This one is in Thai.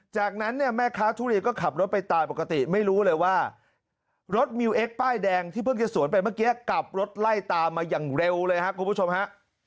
จากนั้นเนี่ยแม่ค้าทุเรียนก็ขับรถไปตามปกติไม่รู้เลยว่ารถมิวเอ็กซป้ายแดงที่เพิ่งจะสวนไปเมื่อกี้กลับรถไล่ตามมาอย่างเร็วเลยครับคุณผู้ชมฮะ